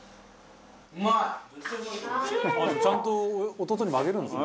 「ちゃんと弟にもあげるんですね」